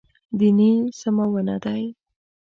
دیني سمونه دی.